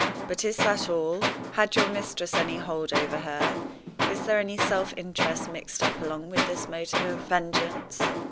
But is that all? Had your mistress any hold over her? Is there any self interest mixed up along with this motive of vengeance?